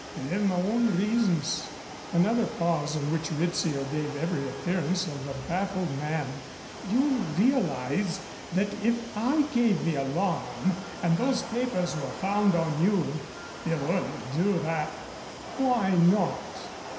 "I have my own reasons." Another pause in which Rizzio gave every appearance of a baffled man. "You realize that if I gave the alarm and those papers were found on you " "You wouldn't do that." "Why not?"